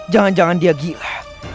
jangan jangan dia gila